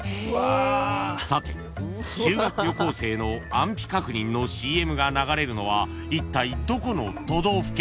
［さて修学旅行生の安否確認のＣＭが流れるのはいったいどこの都道府県？］